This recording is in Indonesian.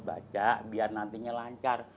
baca biar nantinya lancar